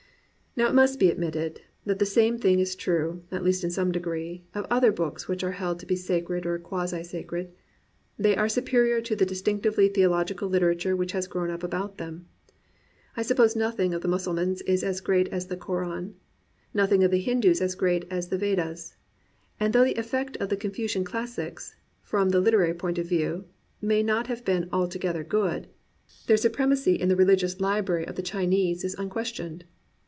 Now it must be admitted that the same thing is true, at least in some degree, of other books which are held to be sacred or quasi sacred : they are supe rior to the distinctively theological literature which has grown up about them. I suppose nothing of the Mussulmans is as great as the "Koran," noth ing of the Hindus as great as the "Vedas; and though the effect of the Confucian classics, from the literary point of view, may not have been alto gether good, their supremacy in the religious library 15 COMPANIONABLE BOOKS of the Chinese is unquestioned.